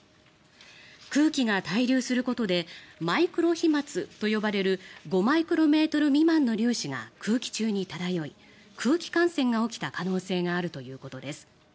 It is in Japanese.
空気が滞留することでマイクロ飛まつと呼ばれる５マイクロメートル未満の粒子が空気中に漂い空気感染が起きた可能性があるということです。